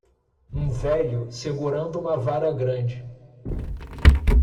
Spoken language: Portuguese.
Um velho segurando uma vara grande.